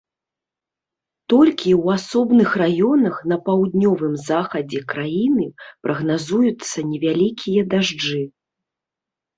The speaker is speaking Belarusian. Толькі ў асобных раёнах на паўднёвым захадзе краіны прагназуюцца невялікія дажджы.